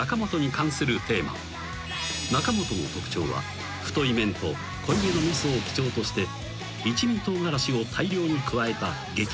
［中本の特徴は太い麺と濃いめの味噌を基調として一味唐辛子を大量に加えた激辛スープ］